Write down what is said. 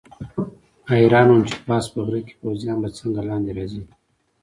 حیران وم چې پاس په غره کې پوځیان به څنګه لاندې راځي.